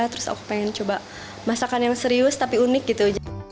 terus aku pengen coba masakan yang serius tapi unik gitu